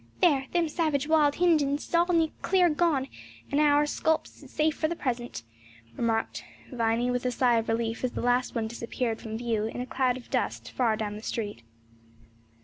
"There! them savage wild Hinguns is all clear gone and hour scalps is safe for the present," remarked Viny, with a sigh of relief as the last one disappeared from view in a cloud of dust far down the street.